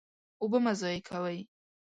اوبه مه ضایع کوئ.